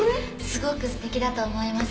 すごく素敵だと思います。